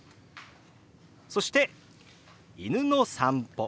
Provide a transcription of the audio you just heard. そして「犬の散歩」。